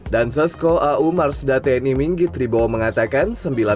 dan sesko au marsda tni minggi tribowo mengatakan